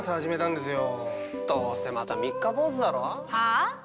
どうせまた三日坊主だろ。はあ？